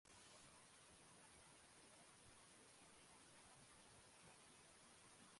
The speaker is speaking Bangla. কৌর রায়ান ইন্টারন্যাশনাল স্কুল থেকে পড়াশোনা করেছিলেন।